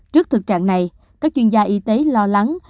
trước thực trạng này các chuyên gia y tế lo lắng